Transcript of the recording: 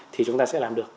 thì chúng ta sẽ làm được